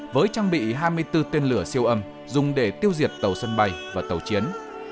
với trang bị hai mươi bốn tên lửa siêu âm dùng để tiêu diệt tàu sân bay và tàu chiến